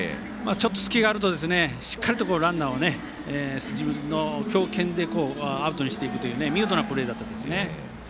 隙があるとしっかりとランナーを自分の強肩でアウトにしていくという見事なプレーでした。